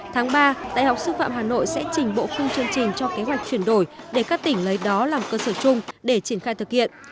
tháng ba đại học sư phạm hà nội sẽ trình bộ khung chương trình cho kế hoạch chuyển đổi để các tỉnh lấy đó làm cơ sở chung để triển khai thực hiện